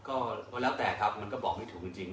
ก็แล้วแต่ครับมันก็บอกไม่ถูกจริง